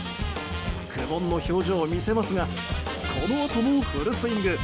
苦悶の表情を見せますがこのあともフルスイング。